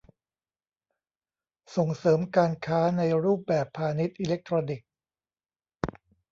ส่งเสริมการค้าในรูปแบบพาณิชย์อิเล็กทรอนิกส์